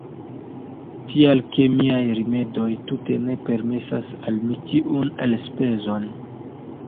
Tial ke miaj rimedoj tute ne permesas al mi tiun elspezon.